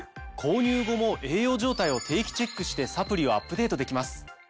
購入後も栄養状態を定期チェックしてサプリをアップデートできます。